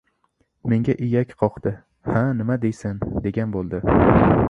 Menga iyak qoqdi. Ha, nima deysan, degan bo‘ldi.